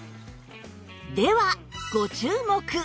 ではご注目！